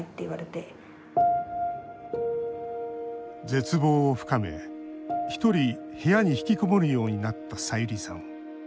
絶望を深め、一人部屋に引きこもるようになったさゆりさん。